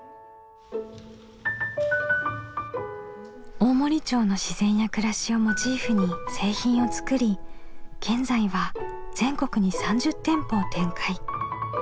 大森町の自然や暮らしをモチーフに製品を作り現在は全国に３０店舗を展開。